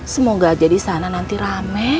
semoga aja disana nanti rame